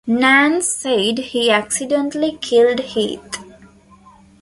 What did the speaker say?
Nance said he accidentally killed Heath.